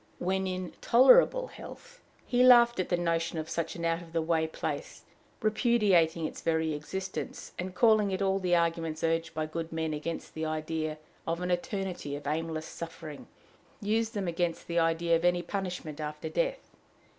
When in tolerable health, he laughed at the notion of such an out of the way place, repudiating its very existence, and, calling in all the arguments urged by good men against the idea of an eternity of aimless suffering, used them against the idea of any punishment after death.